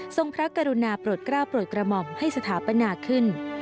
พระกรุณาโปรดกล้าวโปรดกระหม่อมให้สถาปนาขึ้น